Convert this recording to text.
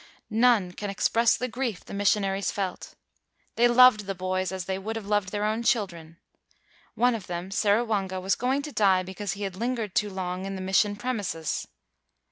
None can express the grief the missionaries felt. They loved the boys as they would have loved their own children. One of them, Seruwanga, was going to die because he had lingered too long in the mission premises.